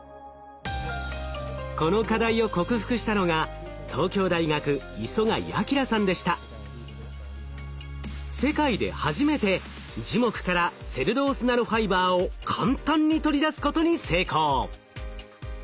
この課題を克服したのが世界で初めて樹木からセルロースナノファイバーを簡単に取り出すことに成功。